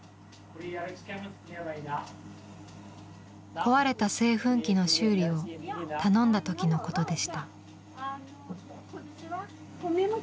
壊れた製粉機の修理を頼んだ時のことでした。